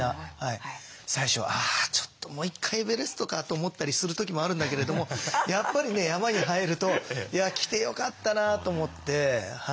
最初は「あちょっともう１回エベレストか」と思ったりする時もあるんだけれどもやっぱりね山に入ると「いや来てよかったな」と思って。